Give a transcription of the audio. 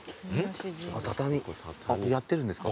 やってるんですか？